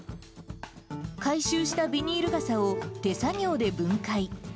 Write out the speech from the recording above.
回収したビニール傘を手作業で分解。